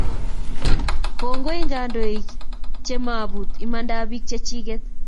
Kongoi en kandoik che maput imanadaab pik che chiket